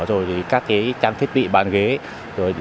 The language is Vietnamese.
rồi các trang thiết bị bàn ghế rồi đáp ứng yêu cầu nhiệm vụ